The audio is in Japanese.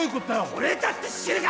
俺だって知るか！